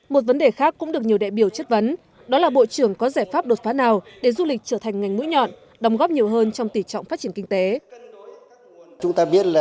một vấn đề khác cũng được nhiều đại biểu chất vấn đó là bộ trưởng có giải pháp đột phá nào để du lịch trở thành ngành mũi nhọn đồng góp nhiều hơn trong tỉ trọng phát triển kinh tế